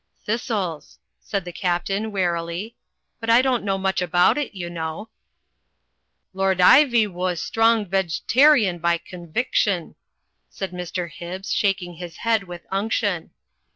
"Thistles," said the Captain, wearily. "But I don't know much about it, you know." "Lord Ivywoo' strong veg'tarian by conviction," said Mr. Hibbs, shaking his head with unction.